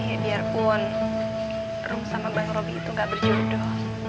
ya biarpun rom sama bang robby itu gak berjodoh